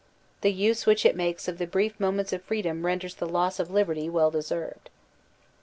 The use which it makes of the brief moments of freedom renders the loss of liberty well deserved.